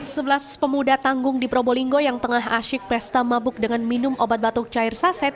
sebelas pemuda tanggung di probolinggo yang tengah asyik pesta mabuk dengan minum obat batuk cair saset